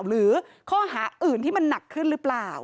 หรือข้อหาอื่นที่มันหนักขึ้นหรือเปล่า